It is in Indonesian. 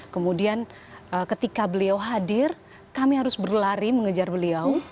kemudian ketika beliau hadir kami harus berlari mengejar beliau